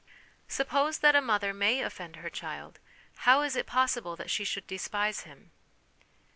Suppose that a mother may offend her child, how is it possible that she should despise him